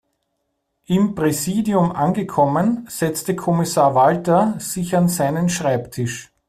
Im Präsidium angekommen, setzte Kommissar Walter sich an seinen Schreibtisch.